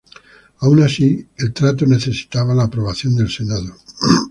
Aun así, el trato necesitaba la aprobación del senado.